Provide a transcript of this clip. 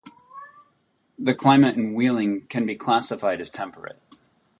The climate in Wheeling can be classified as temperate.